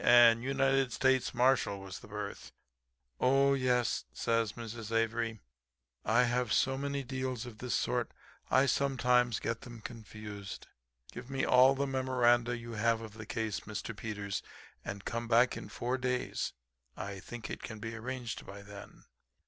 'And United States Marshal was the berth.' "'Oh, yes,' says Mrs. Avery. 'I have so many deals of this sort I sometimes get them confused. Give me all the memoranda you have of the case, Mr. Peters, and come back in four days. I think it can be arranged by then.'